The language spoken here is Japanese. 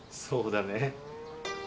そうだね。